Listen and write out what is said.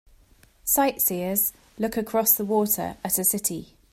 Sightseers look across the water at a city.